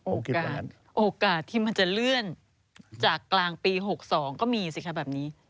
โอกาสที่มันจะเลื่อนจากกลางปี๖๒ก็มีแบบนี้